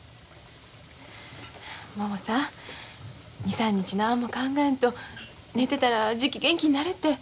ももさん２３日何も考えんと寝てたらじき元気になるて。